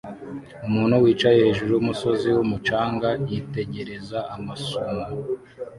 Umuntu wicaye hejuru yumusozi wumucanga yitegereza amasumo